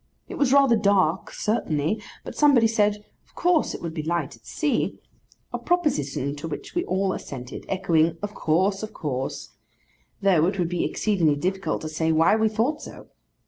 It was rather dark, certainly; but somebody said, 'of course it would be light, at sea,' a proposition to which we all assented; echoing 'of course, of course;' though it would be exceedingly difficult to say why we thought so.